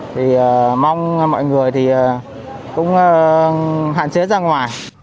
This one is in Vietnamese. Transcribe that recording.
thì mong mọi người thì cũng hạn chế ra ngoài